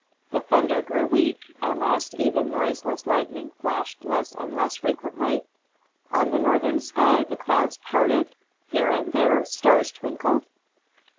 The thunder grew weak; at last even noiseless lightning flashed less and less frequently; on the northern sky the clouds parted; here and there stars twinkled.